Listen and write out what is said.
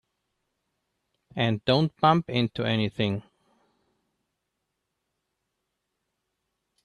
And don't bump into anything.